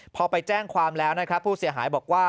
พอไปแจ้งความแล้วนะครับผู้เสียหายบอกว่า